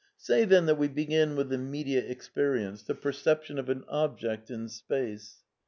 Say, then, that we begin with immediate experience, the perception of an object in space.